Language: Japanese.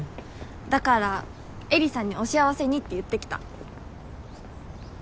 だから絵里さんにお幸せにって言ってきた。